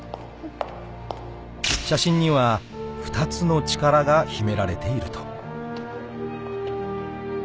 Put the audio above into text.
［写真には２つの力が秘められていると］